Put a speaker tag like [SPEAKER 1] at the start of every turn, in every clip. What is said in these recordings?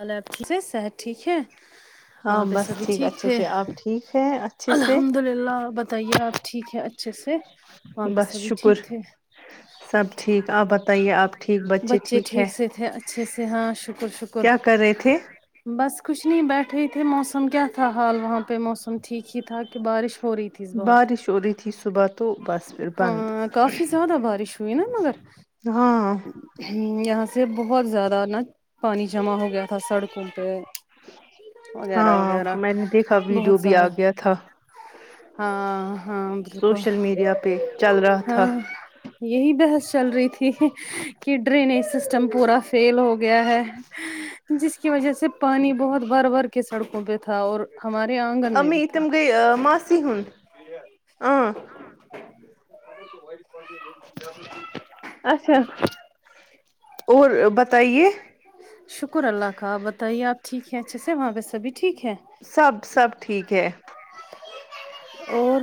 [SPEAKER 1] حالات ٹھیک ہے صحت ٹھیک ہے
[SPEAKER 2] ہاں
[SPEAKER 1] وہاں پہ
[SPEAKER 2] بس
[SPEAKER 1] سبھی ٹھیک
[SPEAKER 2] اچھے
[SPEAKER 1] ہے
[SPEAKER 2] سے آپ ٹھیک ہے اچھے سے
[SPEAKER 1] الحمد للہ بتائیے آپ ٹھیک ہے اچھے سے وہاں پہ
[SPEAKER 2] بس
[SPEAKER 1] سبھی
[SPEAKER 2] شکر
[SPEAKER 1] ٹھیک تھے
[SPEAKER 2] سب ٹھیک آپ بتائیے آپ
[SPEAKER 1] بچے ٹھیک سے تھے اچھے سے ہاں شکر شکر
[SPEAKER 2] کیا کر رہے تھے
[SPEAKER 1] بس کچھ نہیں بیٹھے تھے موسم کیا تھا حال وہاں پہ موسم ٹھیک ہی تھا کہ بارش ہو رہی تھی اس بار
[SPEAKER 2] بارش ہو رہی تھی صبح تو بس پھر بند
[SPEAKER 1] ا کافی زیادہ بارش ہوئی نا مگر
[SPEAKER 2] ہاں
[SPEAKER 1] ہوں یہاں سے بہت زیادہ نا پانی جمع ہو گیا تھا سڑکوں پہ وغیرہ
[SPEAKER 2] ہاں
[SPEAKER 1] وغیرہ
[SPEAKER 2] میں نے دیکھا
[SPEAKER 1] بہت
[SPEAKER 2] ویڈیو بھی آ
[SPEAKER 1] زیادہ
[SPEAKER 2] گیا تھا
[SPEAKER 1] ہاں ہاں بالکل
[SPEAKER 2] سوشل میڈیا پہ چل رہا تھا
[SPEAKER 1] ہاں یہی بحث چل رہی تھی کہ ڈرینیج سسٹم پورا فیل ہو گیا ہے جس کی وجہ سے پانی بہت بھر بھر کے سڑکوں پہ تھا اور ہمارے آنگ
[SPEAKER 2] امی تم گئی ماسی ہوں آں تو [unintelligible] اچھا اور بتائیے
[SPEAKER 1] شکر اللہ کا آپ بتائیے آپ ٹھیک ہیں اچھے سے وہاں پہ سبھی ٹھیک ہے
[SPEAKER 2] سب سب ٹھیک ہے
[SPEAKER 1] اور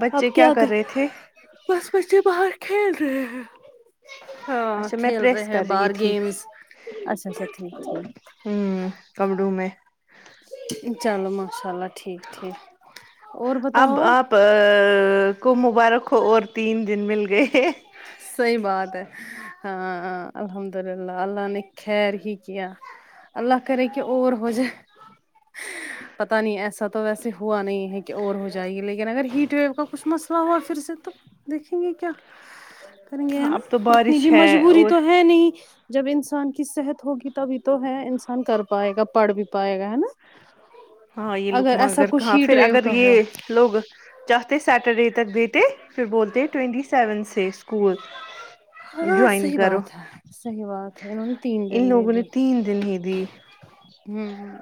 [SPEAKER 2] بچے
[SPEAKER 1] اب کیا کر
[SPEAKER 2] رہے تھے
[SPEAKER 1] بس بچے باہر کھیل رہے ہیں ہاں
[SPEAKER 2] اچھا میں
[SPEAKER 1] کھیل رہے
[SPEAKER 2] پریس
[SPEAKER 1] ہیں
[SPEAKER 2] کر رہی
[SPEAKER 1] باہر
[SPEAKER 2] تھی
[SPEAKER 1] گیمس اچھا اچھا ٹھیک ٹھیک
[SPEAKER 2] ہوں کبروں میں
[SPEAKER 1] چلو ماشاء اللہ ٹھیک ٹھیک اور بتاؤ آپ
[SPEAKER 2] پا ا کو مبارک ہو اور تین دن مل گئے
[SPEAKER 1] صحیح بات ہے ہاں الحمد للہ اللہ نے خیر ہی کیا اللہ کر کہ اور ہو جائے پتا نہیں ایسا تو ویسے ہوا نہیں ہے کہ اور ہو جائے گی لی کن اگر ہیٹ ویو کا کچھ مسئلہ ہوا پھر سے تو دیکھیں گے کیا کریں گے ہے نا
[SPEAKER 2] اب تو
[SPEAKER 1] اتنی بھی
[SPEAKER 2] بارش ہے
[SPEAKER 1] مجبوری
[SPEAKER 2] اور
[SPEAKER 1] تو ہے نہیں جب انسان کی صحت ہوگی تبھی تو ہے انسان کر پائے گا پڑھ بھی پائے گا ہے نا
[SPEAKER 2] ہاں یہ لوک
[SPEAKER 1] اگر ایسا
[SPEAKER 2] مگر
[SPEAKER 1] کچھ
[SPEAKER 2] کہاں
[SPEAKER 1] ہیٹ
[SPEAKER 2] پھر
[SPEAKER 1] ویو
[SPEAKER 2] اگر
[SPEAKER 1] کا
[SPEAKER 2] یہ
[SPEAKER 1] ہوا
[SPEAKER 2] لوگ چاہتے سٹرڈے تک دیتے پھر بولتے ٹوئٹی سیون سے اسکول
[SPEAKER 1] ہاں
[SPEAKER 2] جوائن
[SPEAKER 1] صحیح
[SPEAKER 2] کرو
[SPEAKER 1] بات ہے صحیح بات ہے انہوں نے تین دن
[SPEAKER 2] ان لوگوں نے
[SPEAKER 1] دیدی
[SPEAKER 2] تین دن ہی دی
[SPEAKER 1] ہوں ہوں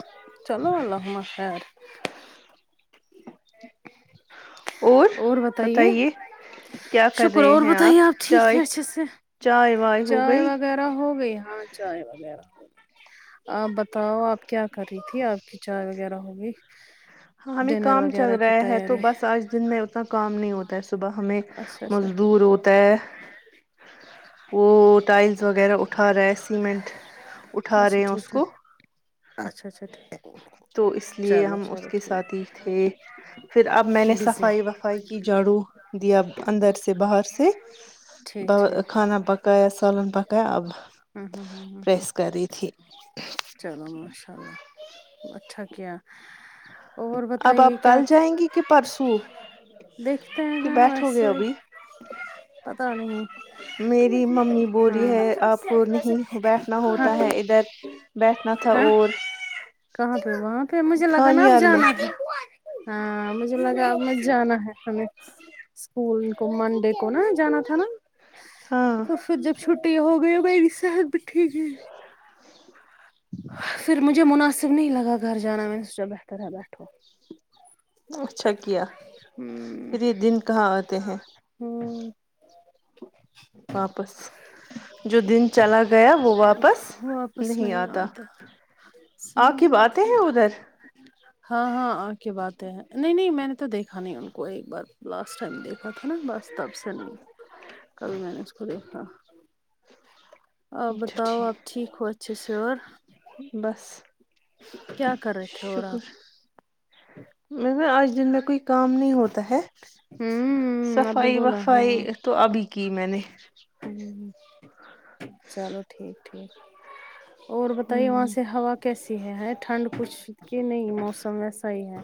[SPEAKER 1] چلو الله ہما خیر اور بتائیے
[SPEAKER 2] کیا کر
[SPEAKER 1] شکر
[SPEAKER 2] رہے
[SPEAKER 1] اور
[SPEAKER 2] ہیں
[SPEAKER 1] بتائیے آپ ٹھیک
[SPEAKER 2] چائے
[SPEAKER 1] تھے اچھے سے
[SPEAKER 2] چائے وائے ہو
[SPEAKER 1] چائے
[SPEAKER 2] گئی
[SPEAKER 1] وغیرہ ہو گئی ہاں چائے وغیرہ آپ بتاؤ آپ کیا کر رہی تھی آپ کی چائے وغیرہ ہوگئی
[SPEAKER 2] ہاں ہمیں
[SPEAKER 1] ڈنر
[SPEAKER 2] کام چل
[SPEAKER 1] وغیرہ کی
[SPEAKER 2] رہا ہے تو
[SPEAKER 1] تیاری
[SPEAKER 2] بس آج دن میں اتنا کام نہیں ہوتا ہے صبح ہمیں
[SPEAKER 1] اچھا اچھا
[SPEAKER 2] مزدور ہوتا ہے وہ ٹائلس وغیرہ اٹھا رہا ہے سیمنٹ اٹھا رہے
[SPEAKER 1] اچھا
[SPEAKER 2] ہیں
[SPEAKER 1] ٹھیک
[SPEAKER 2] اس
[SPEAKER 1] ٹھیک
[SPEAKER 2] کو
[SPEAKER 1] اچھا اچھا ٹھ
[SPEAKER 2] تو اس لیے ہم اس کے ساتھ ہی تھے پھر اب میں نے
[SPEAKER 1] بزی
[SPEAKER 2] صفائی وف فائی کی جھاڑو دیا اندر سے باہر سے
[SPEAKER 1] ٹھیک
[SPEAKER 2] ب
[SPEAKER 1] ٹھیک
[SPEAKER 2] کھانا پکایا سالن پکایا اب
[SPEAKER 1] ہوں ہوں ہوں ہوں ہوں
[SPEAKER 2] پریس کر رہی تھی
[SPEAKER 1] چلو ماشاء اللہ اچھا کیا اور
[SPEAKER 2] اب
[SPEAKER 1] بتائیے
[SPEAKER 2] آپ
[SPEAKER 1] کیا
[SPEAKER 2] کل جائیں گی کہ پرسوں
[SPEAKER 1] دیکھتے
[SPEAKER 2] کہ
[SPEAKER 1] ہیں
[SPEAKER 2] بیٹھو گے
[SPEAKER 1] ویسے
[SPEAKER 2] ابھی
[SPEAKER 1] پتا نہیں
[SPEAKER 2] میری ممی بو رہی
[SPEAKER 1] ہاں
[SPEAKER 2] ہے آپ کو نہیں بیٹھنا
[SPEAKER 1] ہاں
[SPEAKER 2] ہوتا ہے ادھر بیٹھنا تھا
[SPEAKER 1] ہاں
[SPEAKER 2] اور
[SPEAKER 1] کہاں پے وہاں پ مجھے لگا نا اب
[SPEAKER 2] خانیار میں
[SPEAKER 1] جانا ہاں مجھے لگا اب مت جانا ہے ہمیں اسکول کو منڈے کو نہ جانا تھا نا
[SPEAKER 2] ہاں
[SPEAKER 1] تو پھر جب چھٹییاں ہو گئی میری صحت بھی ٹھیک ہے پھر مجھے مناسب نہیں لگا گھر جانا میں نے سوچا بہتر ہے بیٹھو
[SPEAKER 2] اچھا کیا پھر یہ دن کہاں آتے ہیں
[SPEAKER 1] ہوں
[SPEAKER 2] واپس جو دن چلا گیا وہ واپس نہیں آتا
[SPEAKER 1] صحیح
[SPEAKER 2] آپکی باتیں
[SPEAKER 1] بات
[SPEAKER 2] ہے ادھر
[SPEAKER 1] ہاں ہاں آپ بات ہے نہیں نہیں میں نے تو دیکھا نہیں ان کو ایک بار لاسٹ ٹائم دیکھا تھا نا بس تب سے کل میں نے اس کو دیکھا آپ بتاؤ آپ ٹھیک ہو اچھے سے اور
[SPEAKER 2] بس
[SPEAKER 1] کیا کر رہے تھے اور آپ
[SPEAKER 2] مکو آج دن میں کوئی کام نہیں ہوتا ہے
[SPEAKER 1] ہوں آپ نے
[SPEAKER 2] صفائی
[SPEAKER 1] بولا ہاں
[SPEAKER 2] وفائی تو ابھی کی میں نے
[SPEAKER 1] ہوں چلو ٹھیک ٹھیک اور بتائیے وہاں سے ہوا کیسی ہے ہے ٹھنڈ کچھ کہ نہیں موسم ویسا ہی ہے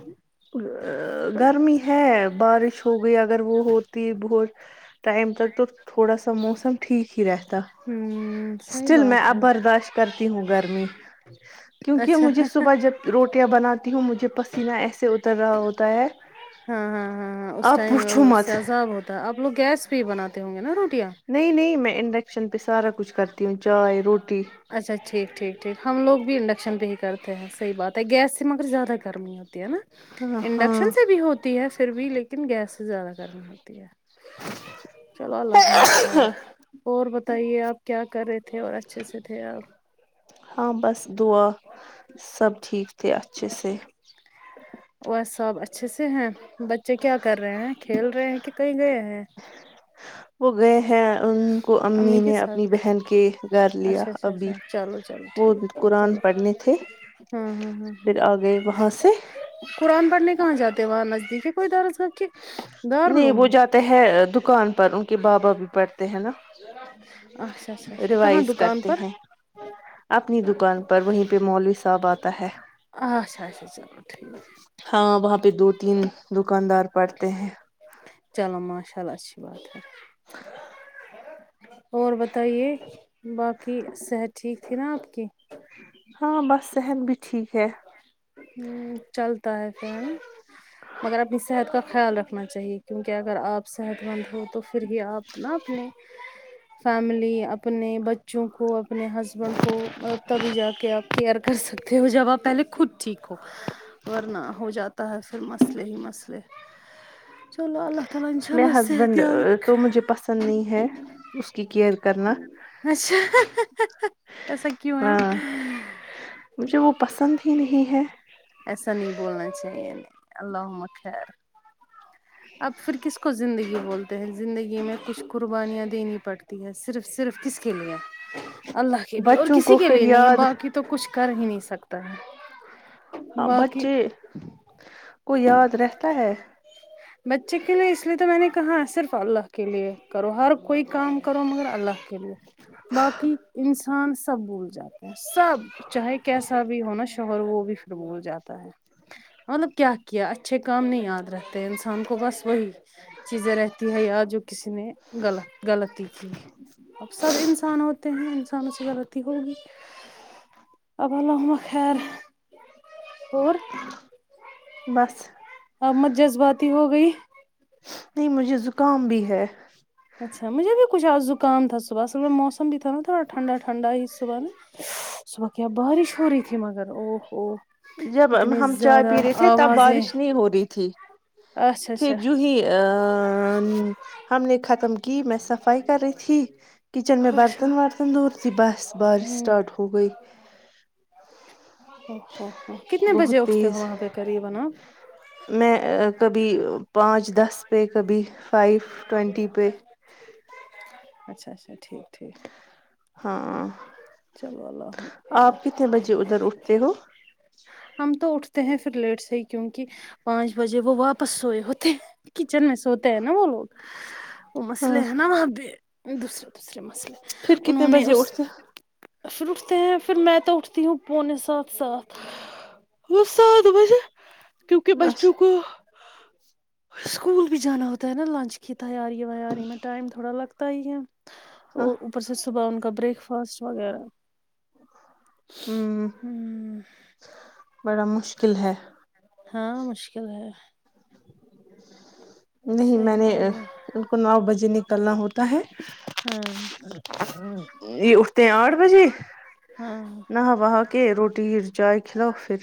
[SPEAKER 2] گرمی ہے بارش ہو گئی اگر وہ ہوتی بہت تہم تک تور تھوڑا سا موسم ٹھیک ہی رہے تا
[SPEAKER 1] ہوں صحیح
[SPEAKER 2] اسٹل میں
[SPEAKER 1] بات
[SPEAKER 2] اب
[SPEAKER 1] ہے
[SPEAKER 2] برداشت کرتی ہوں گرمی کیونکہ
[SPEAKER 1] اچھا
[SPEAKER 2] مجھے
[SPEAKER 1] ہاں
[SPEAKER 2] صبح جب روٹیاں بناتی ہوں مجھے پسینہ ایسا
[SPEAKER 1] ہاں ہاں ہاں ہاں اس
[SPEAKER 2] آپ
[SPEAKER 1] ٹائم
[SPEAKER 2] پوچھو
[SPEAKER 1] اس
[SPEAKER 2] مت
[SPEAKER 1] سے زا اب ہوتا ہے آپ لوگ گیس پہ ہی بناتے ہوں گے نا روٹیاں
[SPEAKER 2] نہیں نہیں میں انڈکشن پہ سارا کچھ کرتی ہوں چائے روٹی
[SPEAKER 1] اچھا ٹھیک ٹھیک ٹھیک ہم لوگ بھی انڈکشن پہ ہی کرتے ہیں صحیح بات ہے گیس سے مگر زیادہ گرمی ہوتی ہے نا
[SPEAKER 2] ہاں ہاں
[SPEAKER 1] انڈکشن سے بھی ہوتی ہے پھر بھی لیکن گیس سے زیادہ گرمی ہوتی ہے چلو الحم خیر اور بتائیے آپ کیا کرے تھے تھے اور اچھے سے تھے آپ
[SPEAKER 2] ہاں بس دعا سب ٹھیک تھے اچھے سے
[SPEAKER 1] وہ سب اچھے سے ہیں بچے کیا کر رہے ہیں کھیل رہے ہیں کہ کہیں گئے ہیں
[SPEAKER 2] وہ گیے ہے ان کو امی
[SPEAKER 1] کے
[SPEAKER 2] نے
[SPEAKER 1] ساتھ
[SPEAKER 2] اپنی بہن کے گھر لیا
[SPEAKER 1] اچھا اچھا
[SPEAKER 2] ابھی
[SPEAKER 1] اچھا چلو
[SPEAKER 2] وہ قرآن پڑھنے تھے
[SPEAKER 1] امم امم امم
[SPEAKER 2] پھر آ گئے وہاں سے
[SPEAKER 1] قرآن پڑھنے کہاں جاتے ہیں وہاں نزدیک ہے کوئی درز ہو کہ
[SPEAKER 2] نہیں وہ
[SPEAKER 1] دارالعلوم
[SPEAKER 2] جاتے ہے دکان پر ان کے بابا بھی پڑ یہ ہے نا
[SPEAKER 1] اچھا اچھا اچھا کہاں
[SPEAKER 2] ریوائز
[SPEAKER 1] دکان
[SPEAKER 2] کرتے
[SPEAKER 1] پر
[SPEAKER 2] ہیں اپنی دکان پر وہیں پہ مولوی صاحب آتا ہے
[SPEAKER 1] اچھا اچھا چلو ٹھیک ہے
[SPEAKER 2] ہاں وہاں پہ دو تین دکاندار پڑھتے ہیں
[SPEAKER 1] چلو ماشاء اللہ اچھی بات ہے اور بتائیے باقی صحت ٹھیک ہے نا آپ کی
[SPEAKER 2] ہاں بس صحت بھی ٹھیک ہے
[SPEAKER 1] چلتا ہے فرینڈ مگر اپنی صحت کا خیال رکھنا چاہیے کیونکہ اگر آپ صحت مند ہو تو پھر بھی آپ نہ اپنے فیملی اپنے بچ بچوں کو اپنے ہسبینڈ کو تبھی جا کے آپ کیئر کر سکتے ہو جب آپ پہلے خود ٹھیک ہو ورنہ ہو جاتا ہے پھر مسئلے ہی مسئلے چلو اللہ تعالی ان شاء
[SPEAKER 2] میں
[SPEAKER 1] اللہ صحت
[SPEAKER 2] ہسبینڈ
[SPEAKER 1] یاب
[SPEAKER 2] تو
[SPEAKER 1] رکھے
[SPEAKER 2] مجھے نہیں ہے اس کی کیئر کرنا
[SPEAKER 1] اچھا ایسا کیوں ہے
[SPEAKER 2] ہاں مجھے وہ پسند ہی نہیں ہے
[SPEAKER 1] ایسا نہیں بولنا چاہیے اللہ ہمہ خیر اب پھر کس کو زندگی بولتے ہیں زندگی میں کچھ قربانیاں دینی پڑتی ہیں صرف صرف کس کے لیے اللہ کے لیے اور
[SPEAKER 2] بچوں
[SPEAKER 1] کسی
[SPEAKER 2] کو
[SPEAKER 1] کے
[SPEAKER 2] پھر
[SPEAKER 1] لیے نہیں ہے
[SPEAKER 2] یاد
[SPEAKER 1] باقی تو کچھ کر ہی نہیں سکتا ہے
[SPEAKER 2] ہاں
[SPEAKER 1] باقی
[SPEAKER 2] بچے کو یاد رہتا ہے
[SPEAKER 1] بچے کے لیے اس لیے تو میں نے کہا صرف اللہ کے لیے کرو ہر کوئی کام کرو مگر اللہ کے لیے باقی انسان سب بھول جاتا سب چاہے کیسا بھی ہونا شوہر وہ بھی پھر بھول جاتا ہے مطلب کیا کیا اچھے کام نہیں یاد رہتے انسان کو بس وہی چیزیں رہتی ہے یا جو کسی نے غلط غلطی کی ہے اب سب انسان ہوتے ہیں انسانوں سے غلطی ہوگی اب اللہمہ خیر اور
[SPEAKER 2] بس
[SPEAKER 1] اور میں جذباتی ہو گئی
[SPEAKER 2] نہیں مجھے زکام بھی ہے
[SPEAKER 1] اچھا مجھے بھی کچھ زکام تھا صبح سے میں موسم بھی تھا نہ تھوڑا ٹھنڈا ٹھنڈا ہی صبح میں صبح کیا بارش ہو رہی تھی مگر او او
[SPEAKER 2] جب ہم چائے پی رہے تھے تب بارش نہیں ہو رہی تھی
[SPEAKER 1] اچھا
[SPEAKER 2] پھر
[SPEAKER 1] اچھا
[SPEAKER 2] جو ہی آ ن ہم نے ختم کہ میں صفائی کر رہی تھی کچن میں
[SPEAKER 1] اچھا
[SPEAKER 2] برتن ورتن دھو رہی تھی بس بارش
[SPEAKER 1] ہوں
[SPEAKER 2] اسٹارٹ
[SPEAKER 1] او
[SPEAKER 2] ہو وہی
[SPEAKER 1] اچھا اچھا کتنے بجے
[SPEAKER 2] بہت
[SPEAKER 1] اٹھتے ہو
[SPEAKER 2] تیز
[SPEAKER 1] وہاں پہ قریب ہے نہ آپ
[SPEAKER 2] میں کبھی پانچ دس پہ کبھی فائیو ٹوینٹی پہ
[SPEAKER 1] اچھا اچھا ٹھیک ٹھیک
[SPEAKER 2] ہاں
[SPEAKER 1] چلو اللہ خیر۔
[SPEAKER 2] آپ کتنے بجے ادھر اٹھتے ہو
[SPEAKER 1] ہم تو اٹھتے ہیں پھر لیٹ سے ہی کیونکہ پانچ بجے وہ واپس سوئے ہوتے کچن میں سوتے ہیں نا وہ لوگ وہ مسئلے
[SPEAKER 2] ہاں
[SPEAKER 1] ہیں نا وہاں بھی دوسرے دوسرے مسئلے
[SPEAKER 2] پھر کتنے
[SPEAKER 1] انہوں نے
[SPEAKER 2] بجے
[SPEAKER 1] اس
[SPEAKER 2] اٹھتے
[SPEAKER 1] پھر اٹھتے ہیں پھر میں تو اٹھتی ہوں پونے سات سات وہ سات بجے کیونکہ بچوں
[SPEAKER 2] اچھا
[SPEAKER 1] کو اسکول بھی جانا ہوتا ہے نا لنچ کی تیاری ویاری میں ٹائم تھوڑا لگتا ہی ہے
[SPEAKER 2] ہاں
[SPEAKER 1] اور اوپر سے صبح ان کا بریک فاسٹ وغیرہ
[SPEAKER 2] ہ
[SPEAKER 1] امم
[SPEAKER 2] بڑا مشکل ہے
[SPEAKER 1] ہاں مشکل ہے
[SPEAKER 2] نہیں
[SPEAKER 1] صحیح
[SPEAKER 2] میں نےآ
[SPEAKER 1] بات ہے
[SPEAKER 2] ان کو نو بجے نکلنا ہوتا ہے
[SPEAKER 1] ہاں
[SPEAKER 2] یہ اٹھتے ہیں آٹھ بجے
[SPEAKER 1] ہاں
[SPEAKER 2] نا وہاں کے روٹی یہ چائے کھلاؤ پھر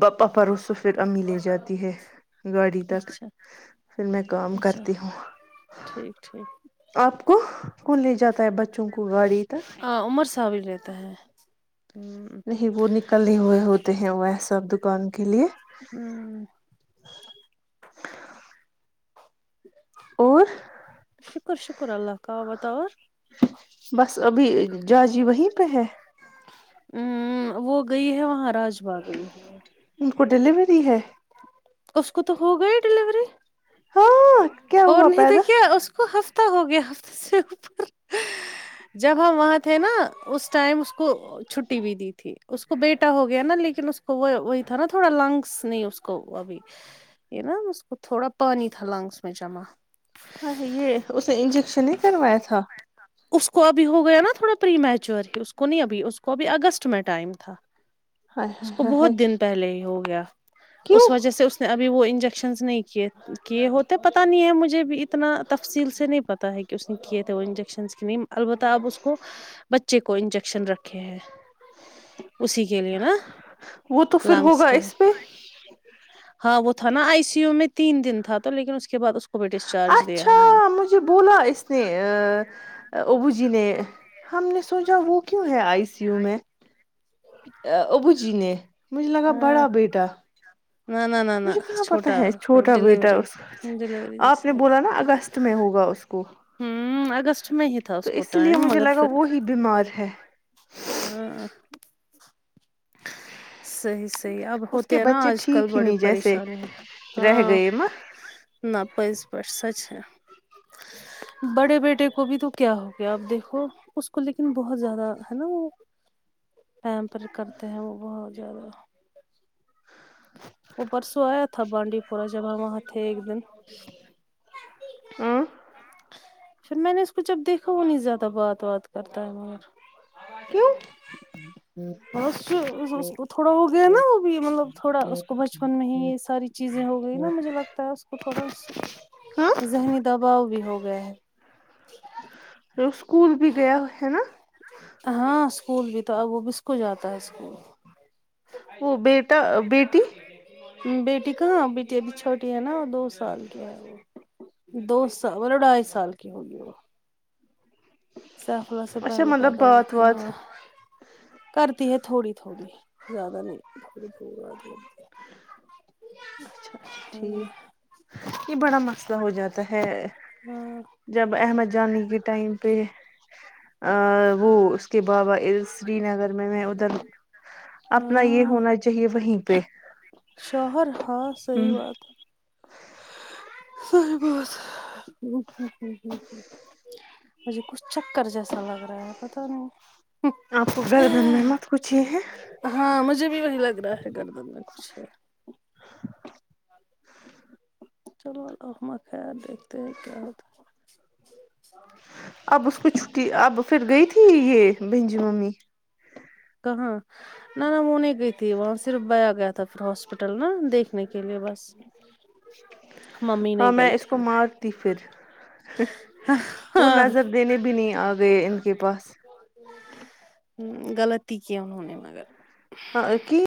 [SPEAKER 2] باپا پروسو پھر امی لے جات تی ہے گاڑی تک
[SPEAKER 1] اچھا
[SPEAKER 2] پھر میں کام
[SPEAKER 1] اچھا
[SPEAKER 2] کرتی ہوں
[SPEAKER 1] ٹھیک ٹھیک
[SPEAKER 2] آپ کو کون لے جاتا ہے بچوں کو گاڑی تک
[SPEAKER 1] ہاں عمر صاحب بھی رہتا ہے ہمم
[SPEAKER 2] نہیں وہ نکل نہیں ہوئے ہوتے ہیں وہ ہے سب دکان کے لیے
[SPEAKER 1] امم
[SPEAKER 2] اور
[SPEAKER 1] شکر شکر اللہ کا بتا اور
[SPEAKER 2] بس ابھی جاجی وہیں پہ ہے
[SPEAKER 1] امم وہ گئی ہے وہاں راج با گئی ہے
[SPEAKER 2] ان کو ڈیلیوری ہے
[SPEAKER 1] اس کو تو ہوگںی ڈلیوری
[SPEAKER 2] ہاں کیا
[SPEAKER 1] اور
[SPEAKER 2] ہوا
[SPEAKER 1] نہیں تو
[SPEAKER 2] پیدا
[SPEAKER 1] کیا اس کو ہفتے ہفتہ ہو گیا ہفتے سے اوپر جب ہم وہاں تھے نا اس ٹائم اس کو چھٹی بھی دی تھی اس کو بیٹا ہو گیا نا لیکن اس کو وہ وہی تھا نا تھوڑا لنگس نہیں اس کو ابھی یہ نا اس کو تھوڑا پانی تھا لانگس میں جمع
[SPEAKER 2] ہاں یہ اسے انجیکشن نہیں کروایا تھا
[SPEAKER 1] اس کو ابھی ہو گیا نا تھوڑا پری میچور اس کو نہیں ابھی اس کو ابھی اگست میں ٹائم تھا اس کو بہت دن پہلے ہی ہو گیا
[SPEAKER 2] کیوں
[SPEAKER 1] اس وجہ سے اس نے ابھی وہ انجک شنس نہیں کیے کیے ہوتے پتتا نہیں ہے مجھے بھی اتنا تفصیل سے نہیں پتا ہے کہ اس نے کیے تھے وہ انجیکشن کی نہیں البتہ اب اس کو بچے کو انجیکشن رکھے ہیں اسی کے لیے نا
[SPEAKER 2] وہ تو پھر
[SPEAKER 1] لنگس
[SPEAKER 2] ہوگا
[SPEAKER 1] کے
[SPEAKER 2] اس
[SPEAKER 1] لیے
[SPEAKER 2] پہ
[SPEAKER 1] ہاں وہ تھا نا آئی سی یو میں تین دن تھا تو لیکن اس کے بعد اس کو بھی ڈسچارج دیا
[SPEAKER 2] اچھا
[SPEAKER 1] ہم نے
[SPEAKER 2] مجھے بولا اس نے ابو جی نے ہم نے سوچا وہ کیوں ہے آئی سی یو میں ابوجی نے مجھے لگا
[SPEAKER 1] ہاں
[SPEAKER 2] بڑا بیٹا
[SPEAKER 1] نہ نہ نہ
[SPEAKER 2] مجھے
[SPEAKER 1] نہ
[SPEAKER 2] کہاں پتا
[SPEAKER 1] چھوٹا
[SPEAKER 2] ہے چھوٹا بیٹا
[SPEAKER 1] ڈلیوری
[SPEAKER 2] اس کا آپ نے
[SPEAKER 1] ڈلیوری
[SPEAKER 2] بولا نا اگست میں ہوگا اس کو
[SPEAKER 1] ہوں اگست میں ہی تھا
[SPEAKER 2] تو
[SPEAKER 1] اس کو
[SPEAKER 2] لیے
[SPEAKER 1] ٹائم
[SPEAKER 2] مجھے
[SPEAKER 1] مگر
[SPEAKER 2] لگا
[SPEAKER 1] پھر
[SPEAKER 2] وہی بیمار ہے
[SPEAKER 1] ہاں صحیح صحیح اب
[SPEAKER 2] اس کے
[SPEAKER 1] ہوتے ہیں نا
[SPEAKER 2] بچے
[SPEAKER 1] آج کل
[SPEAKER 2] ٹھیک ہی
[SPEAKER 1] بڑی
[SPEAKER 2] نہیں جیسے
[SPEAKER 1] پریشانی
[SPEAKER 2] رہ
[SPEAKER 1] ہاں
[SPEAKER 2] گئے ماں
[SPEAKER 1] نہہ پز پڑٹ سچ ہے بڑے بیٹے کو بھی تو کیا ہو گیا آپ دیکھو اس کو لیکن بہت زیادہ ہے نا ہم پر کرتے ہیں وہ بہت زیادہ
[SPEAKER 2] ج
[SPEAKER 1] وہ پرسوں آیا تھا بانڈی پورہ جب ہم وہاں تھے ایک دن
[SPEAKER 2] ہاں
[SPEAKER 1] پھر میں نے اس کو جب دیکھا وہ نہیں زیادہ بات وات کرتا ہے
[SPEAKER 2] کیوں
[SPEAKER 1] تھوڑا وہ گیا نا وہ بھی مطلب تھوڑا اس کو بچپن میں ہی یہ ساری چیزیں ہو گئی نا مجھے لگتا ہے اس کو تھوڑا
[SPEAKER 2] ہاں
[SPEAKER 1] ذہنی دباؤ بھی ہو گیا ہے
[SPEAKER 2] اسکول بھی گیا ہے نا
[SPEAKER 1] ہاں اسکول بھی تو ا وہ بھی اس کو جاتا ہے اسکول
[SPEAKER 2] وہ بیٹا بیٹی
[SPEAKER 1] بیٹی کہاں بیٹی ابھی چھوٹی ہے نا دو سال کی ہے وہ دو سال مطلب ڈھائی سال کی ہوگی وہ ساخلہ سے
[SPEAKER 2] اچھا
[SPEAKER 1] پہلے
[SPEAKER 2] مطلب
[SPEAKER 1] پیدا ہوی
[SPEAKER 2] بات
[SPEAKER 1] تھی نا
[SPEAKER 2] وات
[SPEAKER 1] کرتی ہے تھوڑی تھوڑی زیادہ نہیں
[SPEAKER 2] اچھا اچھا
[SPEAKER 1] ہاں
[SPEAKER 2] ٹھیک یہ بڑا مسئلہ ہو جاتا ہے
[SPEAKER 1] ہاں
[SPEAKER 2] جب احمد جانی کے ٹائم پہ ا وہ اس کے بابا سری نگر میں ادھر اپنا یہ
[SPEAKER 1] ہاں
[SPEAKER 2] ہونا چاہیے وہیں پہ
[SPEAKER 1] شوہر ہاں
[SPEAKER 2] ہ
[SPEAKER 1] صحیح بات صحیح بہت ہے ام ام ام ام ام مجھے کچھ چکر جیسا لگ رہا ہے پتا نہیں
[SPEAKER 2] آپ کو گردن میں مت پوچھیے ہیں
[SPEAKER 1] ہاں مجھے بھی وہی لگ رہا ہے گردن میں کچھ ہے چلو ہم آتے ہیں دیکھتے ہیں کیا ہوتا ہے
[SPEAKER 2] اب اس کو چھٹی اب پھر دیکھیگی یہ بنجی ممی
[SPEAKER 1] کہاں نہ نہ وہ نہیں گئی تھی وہاں صرف بھیا گیا تھا پھر ہاسپٹل میں دیکھ نے کے لیے بس ممی
[SPEAKER 2] ہاں
[SPEAKER 1] نہیں
[SPEAKER 2] میں
[SPEAKER 1] گئی
[SPEAKER 2] اس کو
[SPEAKER 1] تھی
[SPEAKER 2] مارتی پھر وہ
[SPEAKER 1] ہاں
[SPEAKER 2] نظر دینے بھی نہیں آرے ان کے پاس
[SPEAKER 1] غلطی کیا ہے انہوں نے مگر
[SPEAKER 2] ہاں کہ